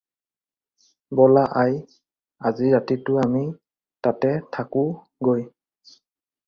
বলা আই আজি ৰাতিটো আমি তাতে থাকোঁ গৈ।